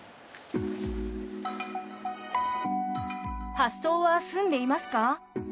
発送は済んでいますか？